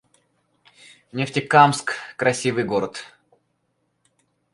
Нефтекамск — красивый город